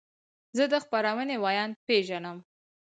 زه د خپرونې ویاند پیژنم.